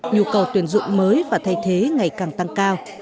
nhu cầu tuyển dụng mới và thay thế ngày càng tăng cao